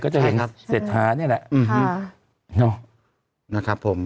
ก็จะเห็นเสร็จท้านี่แหละ